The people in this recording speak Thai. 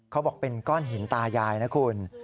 เขาบอกเป็นก้อนหินตายายนะคุณ